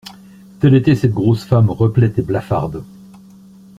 Telle était cette grosse femme replète et blafarde.